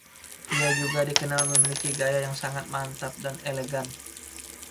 Ia juga dikenal memiliki gaya yang sangat mantap dan elegan.